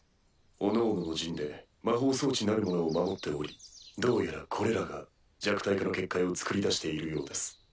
おのおのの陣で魔法装置なるものを守っておりどうやらこれらが弱体化の結界を作り出しているようです。